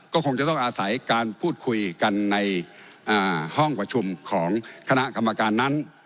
ก็คงจะต้องอาศัยการพูดคุยกันในห้องประชุมของคณะกรรมการนั้น